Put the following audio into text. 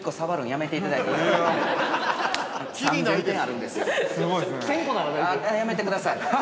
◆やめてください。